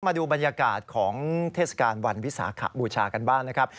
มาดูบรรยากาศของเทศกาลวันวิสาขบูชากันบ้างนะครับ